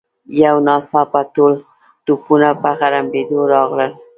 یو ناڅاپه ټول توپونه په غړمبېدو راغلل.